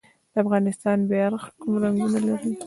د افغانستان بیرغ کوم رنګونه لري؟